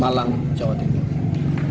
malam ini kita akan menunggu sampai mereka selesai